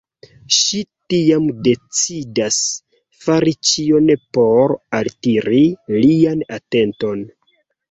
Ŝi tiam decidas fari ĉion por altiri lian atenton.